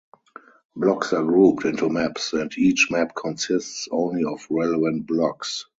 Blocks are grouped into "maps", and each map consists only of relevant blocks.